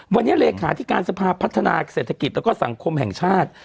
วันนี้เลขาธิการสภาพพัฒนาเศรษฐกิจแล้วก็สังคมแห่งชาติ